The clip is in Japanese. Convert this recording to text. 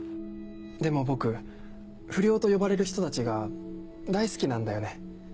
でも僕不良と呼ばれる人たちが大好きなんだよね。